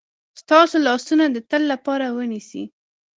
ستاسو لاسونه د تل لپاره ونیسي.